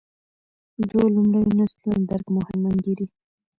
دوو لومړیو نسلونو درک مهم انګېري.